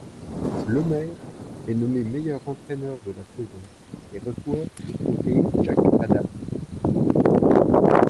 Lemaire est nommé meilleur entraîneur de la saison et reçoit le trophée Jack Adams.